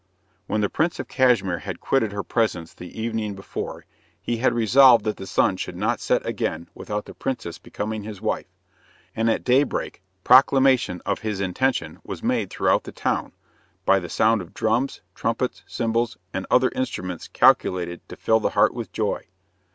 When the King of Cashmere had quitted her presence the evening before, he had resolved that the sun should not set again without the princess becoming his wife, and at daybreak proclamation of his intention was made throughout the town, by the sound of drums, trumpets, cymbals, and other instruments calculated to fill the heart with joy.